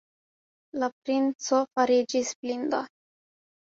La princo fariĝis blinda.